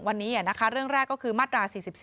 วันนี้เรื่องแรกก็คือมาตรา๔๔